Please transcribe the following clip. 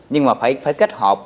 nhưng mà phải kết hợp